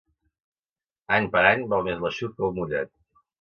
Any per any, val més l'eixut que el mullat.